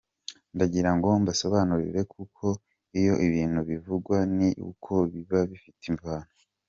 Ndagira ngo mbasobanurire kuko iyo ibintu bivugwa ni uko biba bifite imvano.